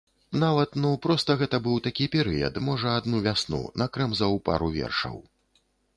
Нават, ну, проста гэта быў такі перыяд, можа, адну вясну, накрэмзаў пару вершаў.